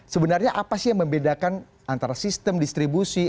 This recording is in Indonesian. sebenarnya apa sih yang membedakan antara sistem distribusi